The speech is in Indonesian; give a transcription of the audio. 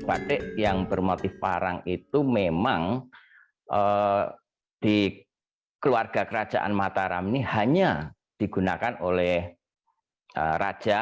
batik yang bermotif parang itu memang di keluarga kerajaan mataram ini hanya digunakan oleh raja